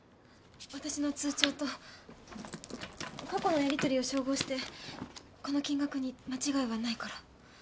私の通帳と過去のやり取りを照合してこの金額に間違いはないから。